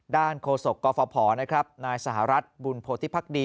ด้านโคศกกภนะครับนายสหรัฐบุญพโตธิพรรดิ